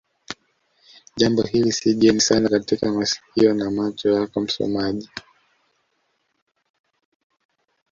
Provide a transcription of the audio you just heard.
jambo hili si geni sana katika masikio na macho yako msomaji